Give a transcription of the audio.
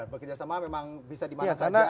bekerja sama memang bisa dimana saja